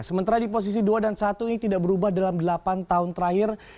sementara di posisi dua dan satu ini tidak berubah dalam delapan tahun terakhir